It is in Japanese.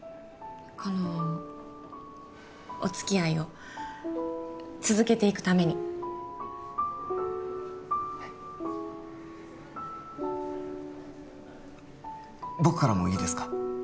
このお付き合いを続けていくためにはい僕からもいいですか？